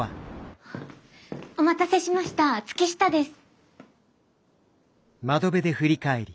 お待たせしました月下です。